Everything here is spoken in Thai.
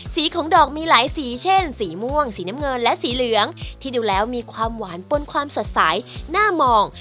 สีของดอกมีหลายสีเช่นสีม่วงสีน้ำเงินและสีเหลืองที่ดูแล้วมีความหวานปนความสดใสหน้ามอง